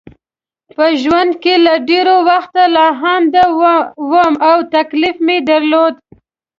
په ژوند کې له ډېر وخته لالهانده وم او تکلیف مې درلود.